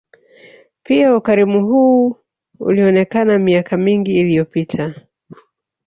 Pia ukarimu huu ulionekana miaka mingi iliyopita